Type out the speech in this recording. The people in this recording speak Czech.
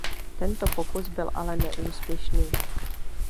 Tento pokus byl ale neúspěšný.